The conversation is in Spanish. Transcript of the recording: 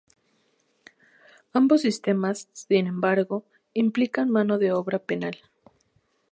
Ambos sistemas, sin embargo, implican mano de obra penal.